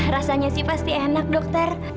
rasanya sih pasti enak dokter